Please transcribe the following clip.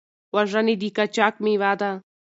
وژنې د قاچاق مېوه ده.